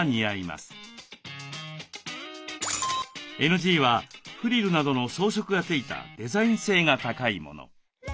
ＮＧはフリルなどの装飾が付いたデザイン性が高いもの。